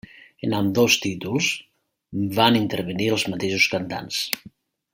En ambdós títols van intervenir els mateixos cantants.